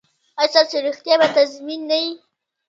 ایا ستاسو روغتیا به تضمین نه وي؟